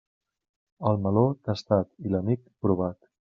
El meló, tastat, i l'amic, provat.